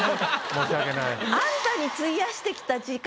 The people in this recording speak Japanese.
申し訳ない。